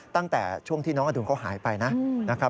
ตั้งแต่ช่วงที่น้องอดุลเขาหายไปนะครับ